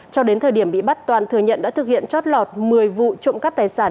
cho đến thời điểm bị bắt toàn thừa nhận đã thực hiện chót lọt một mươi vụ trộm cắp tài sản